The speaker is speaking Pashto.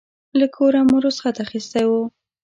له کوره مو رخصت اخیستی و.